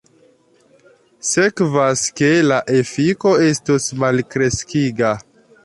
Sekvas ke la efiko estos malkreskiga.